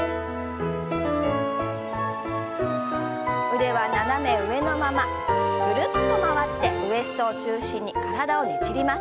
腕は斜め上のままぐるっと回ってウエストを中心に体をねじります。